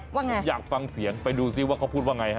ว่าไงอยากฟังเสียงไปดูซิว่าเขาพูดว่าไงฮะ